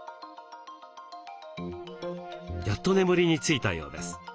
やっと眠りについたようです。